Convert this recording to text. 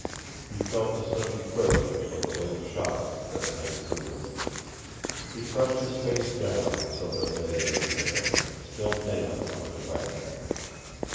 He felt the sudden quiver, like a little shock, that ran through her. He crushed his face down, so that it lay in her hair, still damp from its wetting.